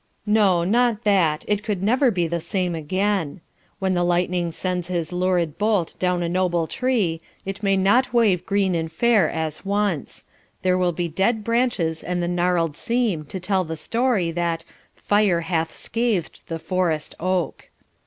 No, not that, it could never be the same again. When the lightning sends his lurid bolt down a noble tree, it may not wave green and fair as once; there will be dead branches and the gnarled seam to tell the story that "Fire hath scathed the forest oak."